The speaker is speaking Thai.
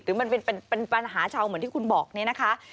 หรือมันเป็นปัญหาชาวเหมือนที่คุณบอกเนี่ยนะคะ